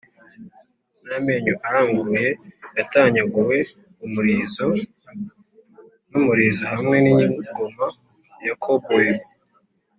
n'amenyo aranguruye, yatanyaguwe umurizo n'umurizo hamwe n'ingoma ya cobweb